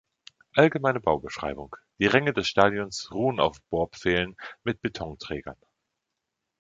Allgemeine Baubeschreibung: Die Ränge des Stadions ruhen auf Bohrpfählen mit Betonträgern.